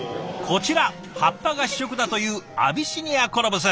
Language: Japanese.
こちら葉っぱが主食だというアビシニアコロブス。